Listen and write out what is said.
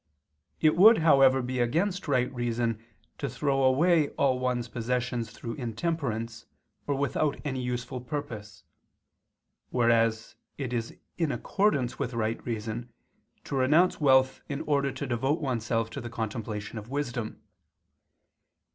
It would, however, be against right reason to throw away all one's possessions through intemperance, or without any useful purpose; whereas it is in accordance with right reason to renounce wealth in order to devote oneself to the contemplation of wisdom.